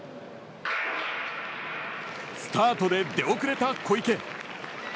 スタートで出遅れた小池。